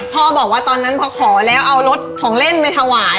พ่อบอกว่าตอนนั้นพอขอแล้วเอารถของเล่นไปถวาย